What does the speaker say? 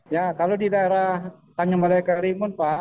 ya kalau di daerah tanjung malaya keringgung pak